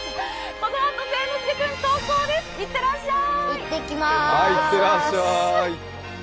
このあと誠ノ介君、登校です、行ってらっしゃい！